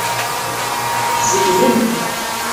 Tzeglem.